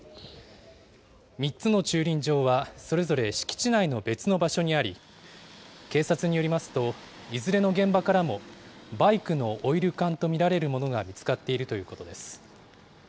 ３つの駐輪場はそれぞれ敷地内の別の場所にあり、警察によりますと、いずれの現場からも、バイクのオイル缶と見られるものが見つかっているということです。